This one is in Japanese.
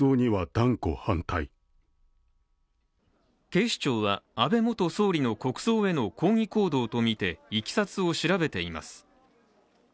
警視庁は安倍元総理の国葬への抗議行動とみて、いきさつを調べています。